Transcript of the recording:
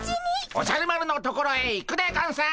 おじゃる丸のところへ行くでゴンス！